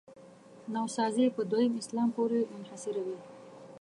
نوسازي په دویم اسلام پورې منحصروي.